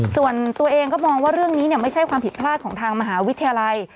ส่วนตัวเองก็มองว่าเรื่องนี้ไม่ใช่ความผิดพลาดของทางมหาวิทยาลัย